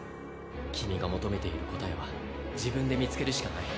君が求めている答えは自分で見つけるしかない